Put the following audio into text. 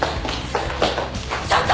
ちょっと！